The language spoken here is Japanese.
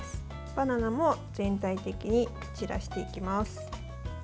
バナナも全体的に散らしていきます。